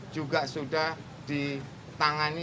juga sudah ditangani